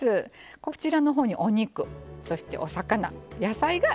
こちらの方にお肉そしてお魚野菜が３種類あります。